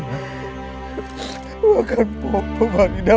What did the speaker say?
bukan bopo farida